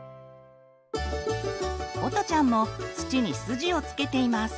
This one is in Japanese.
おとちゃんも土に筋をつけています。